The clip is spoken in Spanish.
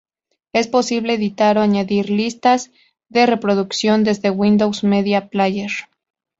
Es posible editar o añadir listas de reproducción desde Windows Media Player.